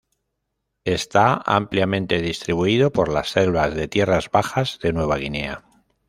Está ampliamente distribuido por las selvas de tierras bajas de Nueva Guinea.